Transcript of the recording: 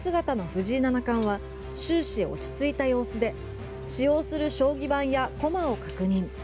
スーツ姿の藤井七冠は終始落ち着いた様子で使用する将棋盤や駒を確認。